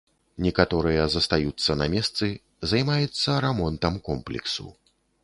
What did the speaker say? Некаторыя застаюцца на месцы, займаецца рамонтам комплексу.